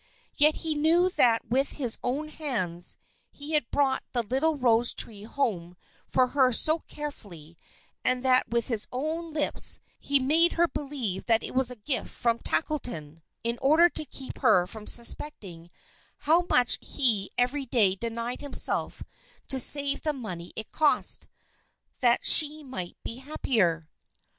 Yet he knew that with his own hands he had brought the little rose tree home for her so carefully, and that with his own lips he had made her believe that it was a gift from Tackleton, in order to keep her from suspecting how much he every day denied himself to save the money it cost that she might be the happier.